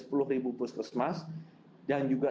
sepuluh puslesmas yang juga